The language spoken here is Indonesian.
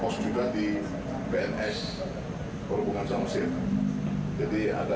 kerana melalui awal rule setelah meng reverse all fiveee terwaliah bersama